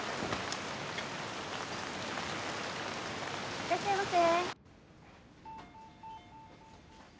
いらっしゃいませ。